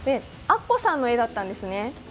アッコさんの絵だったんですね。